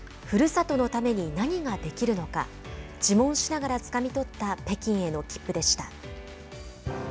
ふるさとのために何ができるのか自問しながらつかみ取った北京への切符でした。